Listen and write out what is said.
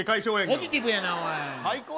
ポジティブやな、おい。